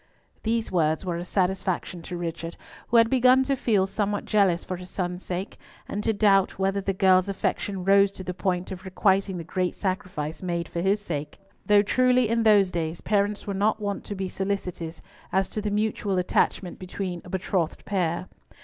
These words were a satisfaction to Richard, who had begun to feel somewhat jealous for his son's sake, and to doubt whether the girl's affection rose to the point of requiting the great sacrifice made for his sake, though truly in those days parents were not wont to be solicitous as to the mutual attachment between a betrothed pair.